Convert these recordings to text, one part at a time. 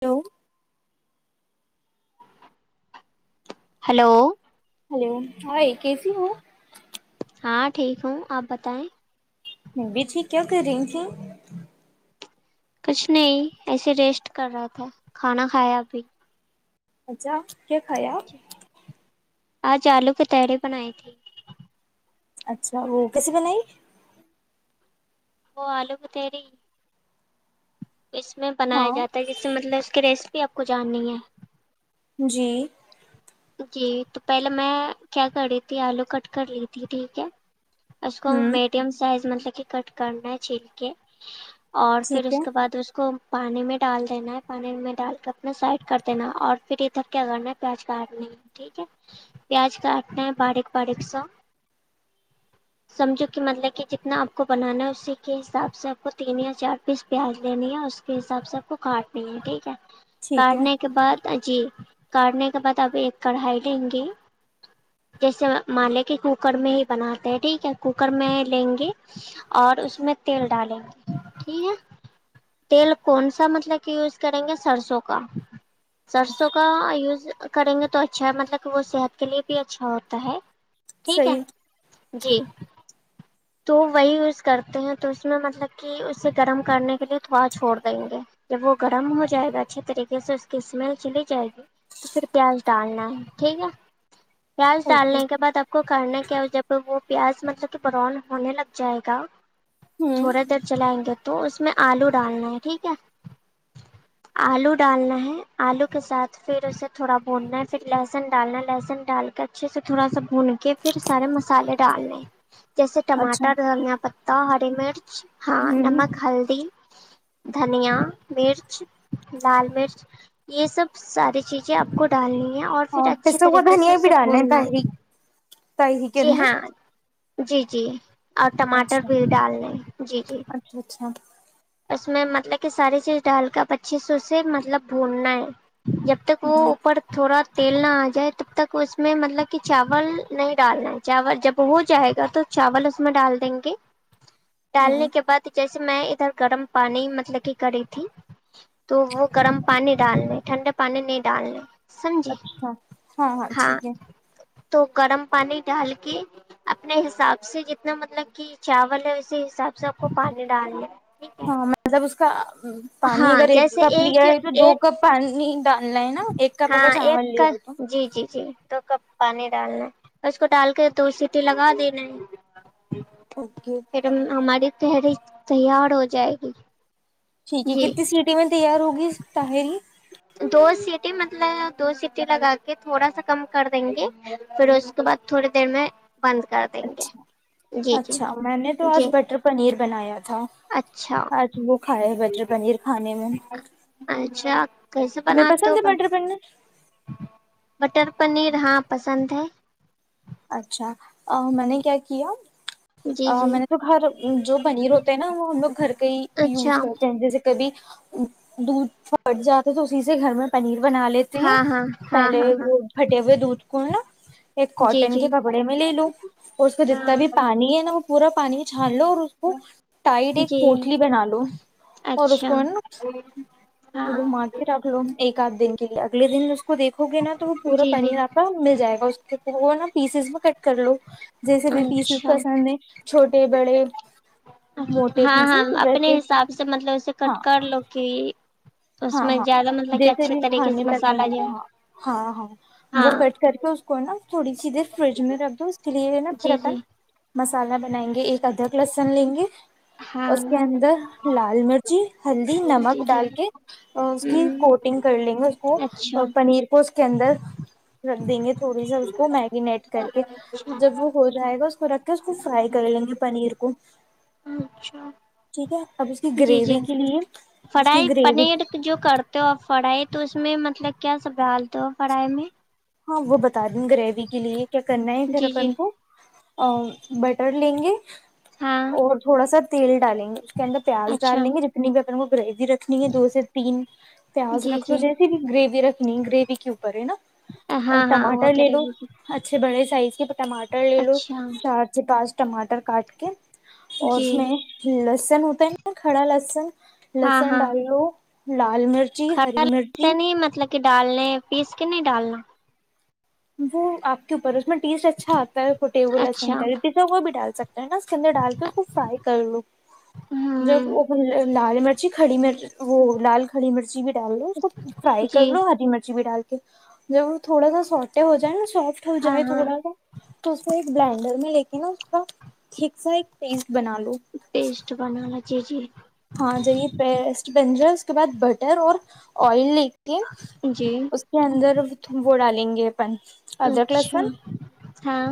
hello hello hello ہ کیسی ہو ہاں ٹھیک ہوں آپ بتائیں بھی ھی کیا کر رہی تھی کچھ نہیں ایسے ریسٹ کر رہا تھا کھانا کھایا ابھی اچھا کیا کھایا آج آلو قتہرے بنائے تھے اچھا وہ کیسیے ب نہیںائی او علوگ تری اس میں بنایا ہاں جاتا ہے جس سے مطلب اس کے ری آپ کو جان نہیں ہے جی جی تو پہلے میں کیا کر رہی تھی آلو کٹ کر لیی تھی ٹھیک ہے اس کو ہوں میڈیم سائز م کہ کٹ کرنا چھیل کے اور پھر ٹھیک ہے اس کے بعد اس کو پانی میں ڈال دینا ہے پانی میں ڈال کے اپنا سائڈ کر دینا اور پھر ادھر کیا کرنا ہے پیاز کاٹنی ہے ٹھیک ہے پیاز کاٹنا ہے باریک باریک سا سمجھو کہ مطلب کہ جتنا آپ کو بنانا ہے اسی کے حساب سے آپ کو تین یا چار پیس پیاز لینی ہے اس کے حساب سے آپ کو کاٹنی ہے ٹھیک ہے ٹھیک ہے کاٹنے کے بعد جی کارنے بعد اب ایک کڑھائی لیں گے جیسے مالے کے کوکر میں ہی بناتے ہیں ٹھیک ہے کوکر میں لیں گے اور اس میں تیل ڈالیں گے ٹھیک ہے تیل کون سا مطلب کہ یوز کریں گے سرسوں کا سرسوں کا یوز کریں گے تو اچھا مطلب کہ وہ صحت کے لیے بھی اچھا ہوتا ہے ٹھیک ہے صحیح جی تو وہی یوز کرتے ہیں تو اس میں مطلب کہ اسے گرم کرنے کے لیے تھوڑا چھوڑ دیں گے جب وہ گرم ہو جائے گا اچھے طریقے سے اس کی اسمیل چلی جائے گی تو پھر کیا حل چالنا ٹھیک ہے کیا اوکے چالنے کے بد آپ کو کرنا کیا جب وہ پیاز مطلب کہ پرون ہونے لگ جائے گا ہوں تھوڑا دیر چلائیں گے تو اس میں آلو ڈالنا ہے ٹھیک ہے آلو ڈالنا ہے آلو کے ساتھ پھر اسے تھوڑا بوننا ہے پھر لہسن ڈالنا ہے لہسن ڈال کے اچھے سے تھوڑا سا بھن کے پھر سارے مسالے ڈالنے جیسے اچھا ٹماٹر ہم یہاں تو ہری میر ہاں ہوں نمک ہلدی دھنیا مرچ لال مرچ یہ سب ساری چیزیں جی آپ کو ڈالنی اور پھر ہاں اچھے پستا ہوا طریقے سے دھنیا بھی اسے ڈالنا بھونڈنا تاہری ہے تاہری کے جی ہاں اندر جی جی اور ٹماٹر اچھا بھی ڈال لیں جی جی اچھا اچھا اس میں مطلب کہ ساری چیز ڈال کربچیے سے اسے مطلب بھوننا ہے جب تک وہ ہوں اوپر تھوڑا تیل نہ آ جائے تب تک اس میں مطلب کہ چاول نہیں ڈالنا ہے چاول جب ہو جائے گا تو چاول اس میں ڈال دیں گے ڈالنے ہوں کے بعد جیسے میں ادھر گرم پانی مطلب کہ کری تھی تو وہ گرم پانی ڈالنے ٹھنڈا پانی نہیں ڈالنے سمجھے اچھا ہاں ہاں ٹھیک ہے تو گرم پانی ڈال کے اپنے حساب سے جتنا مطلب کہ چاول ہے اسی حساب سے آپ کو پانی ڈال دیں ہاں مطلب اس کا پانی ہاں اگر ایک جیسے کپ ایک لیا ہے تو ایک دو کپ پانی ڈا ہاں ایک کا جی جی جی تو کب پانی ڈالنا ہے اس کو ڈال کے تو سیٹی لگا دینا اوکے ہے ہماری تحری تیار ہو جائے گی ٹھیک ہے جی کتنی سیٹییں میں تیار ہوگی اہری دو سیٹی مطلب دو سیٹی لگا کے تھوڑا سا کم کر دیں گے پھر اس کے بعد تھوڑی دیر میں بند کر دیں گے اچھا جی جی اچھا میں نے تو آج جی بٹر پنیر بنایا تھا اچھا آج وہ کھاائے ہے بٹر پنیر کھانے میں اچھا کیسے تم بناتے پسند ہو پنڈر پیننا بٹر پنیر ہاں پسند ہے اچھا میں نے کیا جی کیا جی میں نے تو گھر جو بنی رہ ہوتے ہیں نا وہ ہم لوگ گھر کا ہی اچھا یوز کرتے ہیں جیسے کبھی دودھ پٹ جاتے تو اسی سے گھر میں پنیر بنا لیتے ہیں ہاں ہاں ہاں پہلے ہاں ہاں وہ پھٹے ہوئے دودھ کو ہے نا ایک کاٹ جی ٹن جی کے کپڑے میں لے لو اور اس کا جتنا ہاں بھی پانی ہے نا وہ پورا پانی چھان لو اور اس کو ٹائٹ ایک جی پوٹلی بنا لو اور اس اچھا کو نا ہاں گھما کے رکھ لو ایک آھ دن کے لیے اگل دن کو دیکو گے نا تو وہ پورا جی جی پنیر آپ کا مل جائے گا اس کے وہ نا پیسز بھی کٹ کر لو جیسے بھی پیسز اچھا پسند ہیں چھوٹے بڑے موٹے ہاں ہاں پیسز ویسے اپنے حساب سے مطلب اسے کٹ ہاں کر لو کہ اس ہاں میں ہاں زیادہ مطلب کہ جیسے اچھے بھی طریقے سے کھانے پس ہاں مسالہ جو ہے ہاں ہاں وہ ہاں کٹ کر کے اس کو نا تھوڑی سیر فرج میں رکھ دو کے لیے ہے نا پھر جی اپن جی مسالہ بنائیں گے ایک ادھک لسن لیں گے ہاں اس کے اندر لال مرچی ہلدی جی نمک جی ڈال کے اس کی ہوں کوٹنگ کر لیں گے اس کو اچھا پنیر کو اس کے اندر رکھ دیں گے تھوڑی سا اس کو میگنیٹ کر کے جب وہ ہو جائے گا اس کو رکھ کے اس کو فرائی کر لیں گے پنیر کو اچھا ٹھیک ہے اب اس کی جی جی گریوی کے لیے اس کی فرائی گریوی پنیر جو کرتے ہو آپ فرائی تو اس میں مطلب کیا سنبھالتے ہو فرائی میں ہاں وہ بتا دیں گریوی کے لیے کیا کرنا ہے پھر جی جی اپن کو بٹر لیں گے ہاں اور تھوڑا سا تیل ڈالیں گے اس کےدر پیاز اچھا ڈال دیں گے جتنی کررمک رکھنی ہے دو سے تین پیاز جی رکھ لو جی جیسے بھی گریوی رکھنی ہے گریوی کے اوپر ہے نا اور ہاں ہاں وہ ٹماٹر لے کرے لو گی اچھے بڑے ج آئیی ٹماٹر لی لو اچھا چار چ پانچ ٹماٹر کاٹ کے اور جی اس میں ل لسن ہوتا ہے ن کڑا لسن ہاں لسن ہاں ڈالو لال مرچی ہری مرچی کے ڈالنے پیس کے نہیں ڈالنا وہ آپ کے اوپر میں ٹیس اچھا آتا ہے ٹیبل اچھا لسن کر پیزا وہ بھی ڈال سکتا ہے نا اس کندے ڈال کے اس کو فرائی کر لو جب ہوں وہ لال مرچی کھڑی مرچ وہ لال کھڑی مرچی بھی ڈال لو اس کو فرائی کر جی لو ہری مرچی بھی ڈال دو تھوڑا سا ہو جائے نا سافٹ ہو ہاں جائے ہاں تھوڑا سا تو اس ایک بلینڈر میں لے کے ین ٹیک سا ایک بنا لو پٹیسٹ بنانا جی جی ہاں جیے پیسٹ بنجر اس کے بعد بٹر اور آئل جی اس کے اندر وہ ڈالیں گے اپن ادر اچھا کلسن ہاں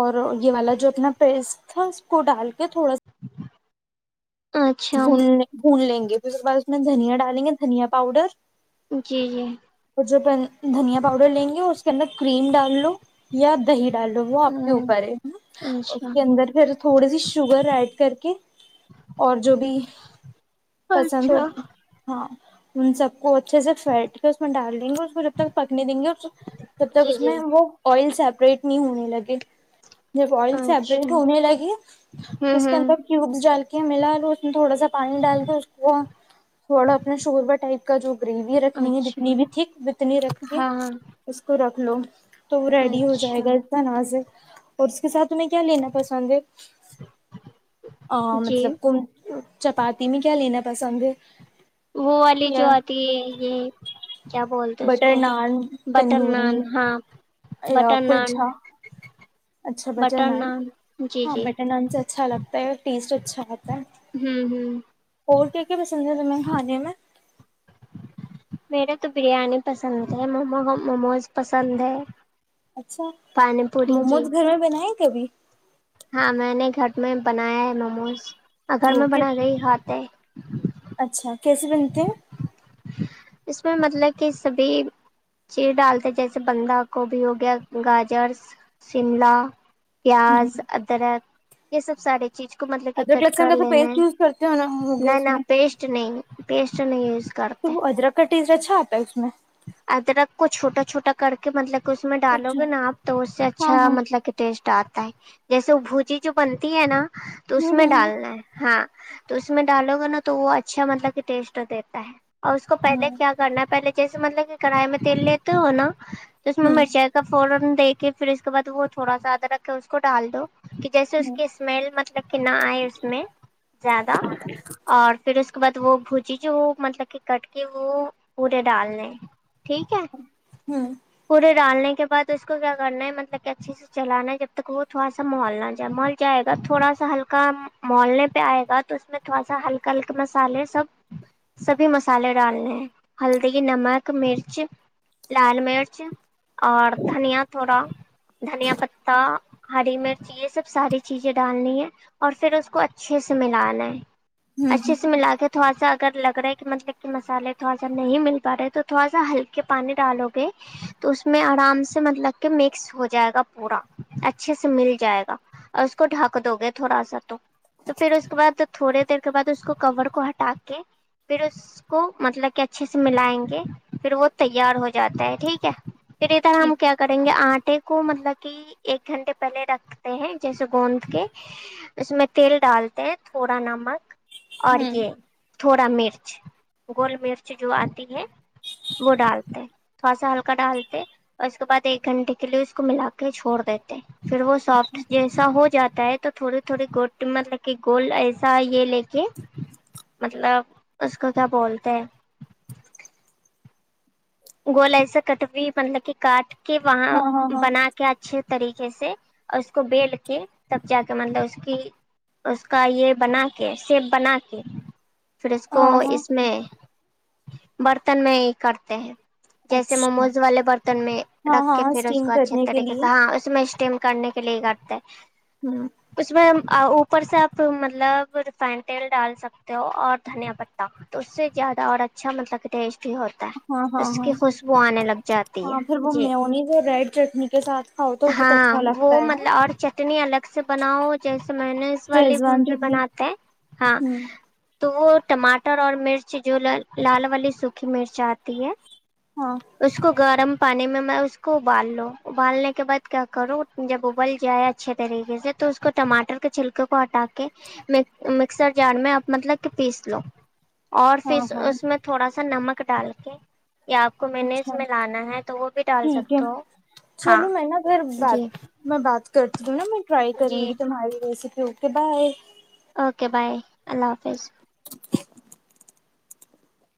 اور یہ والا جو اپنا پیسٹ تھا اس کو ڈال کے تھوڑا سا اچھا بھول لیں گے پھر اس کے بعد اس میں دھنیا ڈالیں گے دھنیا پاؤڈر جی جی اور ج دھنیا پاؤڈر لیں گے اس کے اندر کریم ڈال لو یا دہی ڈال لو وہ آپ کے ہ اوپر ہے اس اچھا کے اندر پھر تھوڑی سی شوگر ایڈ کر کے اور پسند ہو اچھا ہاں ہ سک اچھے سے پھیٹ کے اس میں ڈال دیں گے اس کو جب تک پکنے دیں گے تب تک جی اس جی میں وہ آئل چ اپریٹ نہیں ہونے لگے جب آئل اچھا سیپریٹ ہوں ہونے لگی اس کے ہوں اندر کیوبس ڈال کے ملا لو تھوڑا سا پانی ڈال کے اس کو تھوڑا اپنا شوربا ٹائپ کا جو گریوی رکھنی ہے اچھا جتنی بھی تھک اتنی رکھ کے ہاں اس کو رکھ ہلو تو وہ ریڈی ہو اچھا جائے گا ا تنا سے اور اس کے ساتھ تیں کیا لینا پسند ہے ا جی مطلب چپاتی میں کیا لینا پسند ہے وہ والی جو یا اتی ہے کیا بولتے اس بٹر کو نان بٹر نان ہاں ا بٹر نان پلچھا اچھا بٹر نان ہاں بٹر نان سے اچھا لگتا ہے ٹیٹ اچ ھات ہوں ہوں اور کیا کیا پسند ہے م ہاں جی میں میرے تو بریانی پسند ہے م موموز پسند ہے اچھا پانی پوری جی موموز گھر میں بناائے کبھی ہاں میں نے گھر میں بنایا ہے موموز گھر وہ میں بنا کس گئی ہات ہے [unintelligible] اچھا کیسے بنتے ہیں اس میں مطلب کہ سبھی چیز ڈالتے جیسے بندھا گوبھی ہو گیا گاجر شملہ پیاز ادرک یہ سب سارے چیز کو مطلب کہ ادرک کٹ لہسن کر کا تو لینا پیسٹ ہے یوز کرتے ہو نا ہوگے نہ اس نہ میں پیسٹ نہیں پیسٹ نہیں یوز کر ادرک کٹیزا چا آتا ہے اس میں ادرک کو چھوٹا چھوٹا کر کے مطلب اس میں ڈالو اچھا گے نا آپ تو اس سے ہاں اچھا ہاں مطلب کہ ٹیسٹ آتا جیسے بھوجی جو بنتی ہے نا تو اس ہوں ہوں میں ہوں ڈالنا ہے ہاں تو اس میں ڈالو گا نا تو وہ اچھا مطلب کہ ٹیسٹ ہو دیتا ہے اور اس کو ہاں پہلے کیا کرنا ہے پہلے جیسے مطلب کہ کڑھی میں تیل لیتے ہو نا ہوں [unintelligible] دیک کے پھر اس کے بعد وہ تھوڑا سا آدا رکھ کے اس کو ڈال دو کہ جیسے اس ہوں کی اسمیل مطلب کہ نہ آئے اس میں زیادہ اور پھر اس کے بعد وہ بھجی جو مطلب کہ کٹ کے وہ ے ڈالنے ٹھیک ہے ہوں پورے ڈالنے اس کے بع اس کو کیا کرنا ہے مطلب کہ اچھے سے چلانا ہے جب تک وہ تھوڑا سا محال نہ جائے مول جائے گا تھوڑا سا ہلکا محالنے پہ آئے گا تو اس میں تھوڑا سا ہلکا ہلکا مسالے سب سبھی مسالے ڈالنے ہیں ہلدی نمک مرچ لال مرچ اور دھنیا تھوڑا دھنیا پتتا ہری مرچ یہ سب ساری چیزیں ڈالنی ہے اور پھر اس کو اچھے سے ملانا ہے ہوں اچھے ہوں سے ملا کے تھوڑا سا اگر لگ رہا ہے کہ مطلب کہ مسالے تھوڑا نہیںاے تو تھڑا سا ہلکے پانی ڈالو گے تو اس میں آرام سے مطلب کہ مکس ہو جائے گا پورا اچھے سے مل جائے گا اور اس کو ڈھک دو گے تھوڑا سا تو تو پھر اس کے بعد تھوڑے دیر کے بعد اس کو کور کو ہٹا کے پھر اس کو مطلب کہ اچھے سے ملائیں گے پھر وہ تیار ہو جاتا ہے ٹھیک ہے پھر ادھر ہم ٹھیک کیا کریں گے آٹے کو مطلب کہ ایک گھنٹے پہلے رکھتے ہیں جیسے گوند کے اس میں تیل ڈالتے ہیں تھوڑا نمک اور ہوں یہ تھوڑا مرچ گول مرچ جو آتی ہے وہ ڈالتے تھوڑا سا ہلکا ڈالتے اور اس کے بعد ایک گھنٹے کے لیے اس کو ملا کے چھوڑ دیتے پھر وہ سافٹ جیسا ہو جاتا ہے تو تھوڑی تھوڑی گ مطلب کہ گول ایسا یہ لے کے مطلب اس کو کیا بولتے ہیں گولا سے کٹی مطلب کہ کاٹ کہ وہاں ہاں ہاں ہاں بنا کے اچھے طریقے سے اس کو بیل کے تب جا کے مطلب اس کی اس کا یہ بنا کے سیپ بنا کے پھر اس کو ہاں ہاں اس میں برتن میں ہی کرتے ہیں جیسے اچھا موموز والے برتن میں ہاں رکھ ہاں کے پھر اس اسٹیم کو اچھے کرنے کے طریقے لیے سے ہاں اس میں اسٹیم کرنے کے لیے کرتے ہیں ہوں اس میں اوپر سے آپ مطلب ریفائنڈ تیل ڈال سکتے ہو اور دھنیا پتا تو اس سے زیادہ اور اچھا مطلب ٹیسٹ ہوتا ہاں ہاں اس ہاں کی خوشبو آنے لگ جاتی ہاں پھر ہے وہ جی میونیز اور ریڈ چٹنی کے ساتھ کھاؤ تو بہت ہاں اچھا لگتا وہ ہے نا مطلب اور چٹنی الگ سے بناؤ جیسے مینوز والی شیزوان بھی چٹنی بناتے ہیں ہاں ہوں تو وہ ٹماٹر اور مرچ جو لال والی سوکھی مرچ آتی ہے ہاں اس کو گرم پانی میں اس کو ابال لو ابالنے کے بعد کیا کروں جب ابل جائے اچھے طریقے سے تو اس کو ٹماٹر کے چھلکے کو ہٹا کے مکسر جار میں مطلب کہ پیس لو اور ہاں پھر ہاں اس میں تھوڑا سا ا نمک ڈال کے یا آپ کو اچھا مینیز میں لانا ہے تو وہ بھی ڈال ٹھیک ہے سکتے ہو ہاں چلو میں نا پھر بات جی میں بات کرتی ہوں نا میں ٹرائی کروں جی گی تمہاری recipe okay bye okay bye اللہ حافظ